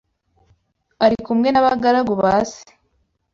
ari kumwe n’abagaragu ba se